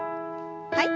はい。